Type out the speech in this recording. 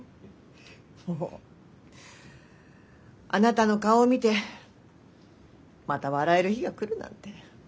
あなたの顔見てまた笑える日が来るなんて。